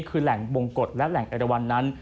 คือแหล่งบงกฎและแหล่งเอราวันนั้น